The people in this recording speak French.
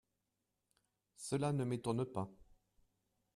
Cela ne m’étonne pas.